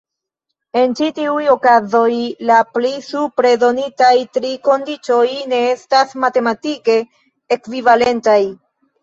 En ĉi tiuj okazoj, la pli supre donitaj tri kondiĉoj ne estas matematike ekvivalentaj.